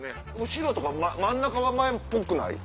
後ろとか真ん中は前っぽくない？